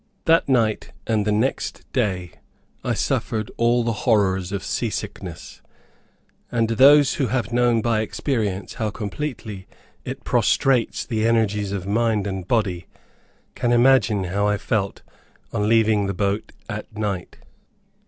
That night and the next day I suffered all the horrors of sea sickness; and those who have known by experience how completely it prostrates the energies of mind and body, can imagine how I felt on leaving the boat at night.